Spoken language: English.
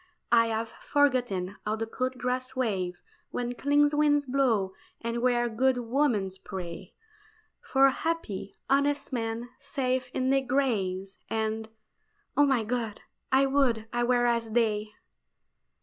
I have forgotten how the cool grass waves Where clean winds blow, and where good women pray For happy, honest men, safe in their graves; And oh, my God! I would I were as they!